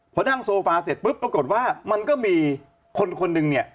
พอนั่งโซฟาเสร็จปุ๊บปรากฏว่ามันก็มีคนคนหนึ่งเนี่ย